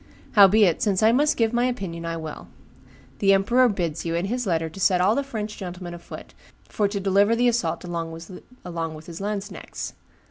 Howbeit, since I must give my opinion, I will. The emperor bids you, in his letter, set all the French gentlemen afoot for to deliver the assault along with his lanzknechts.